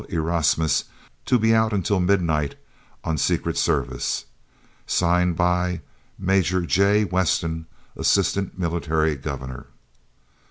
Erasmus to be out until midnight, on Secret Service. Signed by MAJOR J. WESTON, Assistant Military Governor.